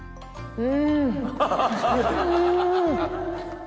うん！